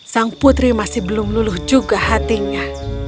sang putri masih belum luluh juga hatinya